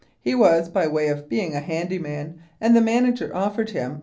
He was by way of being a handy man r and the manager offered him $2.